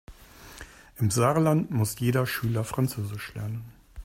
Im Saarland muss jeder Schüler französisch lernen.